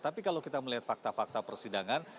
tapi kalau kita melihat fakta fakta persidangan